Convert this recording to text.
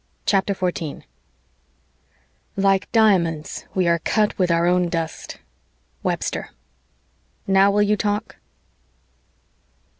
CHAPTER 14 Like diamonds, we are cut with our own dust. Webster "NOW WILL YOU TALK?"